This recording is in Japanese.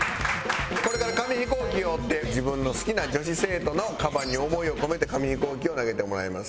これから紙飛行機を折って自分の好きな女子生徒のカバンに思いを込めて紙飛行機を投げてもらいます。